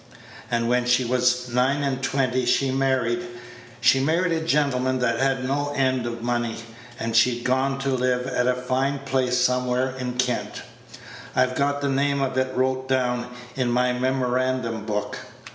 And when she was nine and twenty she'd married she'd married a gentleman Page 102 that had no end of money, and she'd gone to live at a fine place somewhere in Kent. I've got the name of it wrote down in my memorandum book.